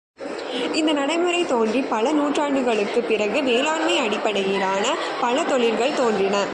இந்த நடைமுறை தோன்றிப் பல நூற்றாண்டுகளுக்குப் பிறகு வேளாண்மை அடிப்படையிலான பல தொழில்கள் தோன்றின.